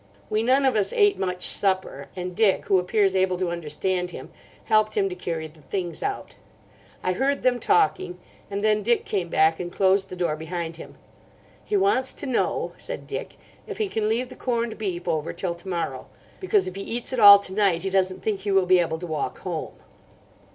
We none of us ate much supper; and Dick, who appears able to understand him, helped him to carry the things out. I heard them talking, and then Dick came back and closed the door behind him. 'He wants to know,' said Dick, 'if he can leave the corned beef over till to morrow. Because, if he eats it all to night, he doesn't think he will be able to walk home.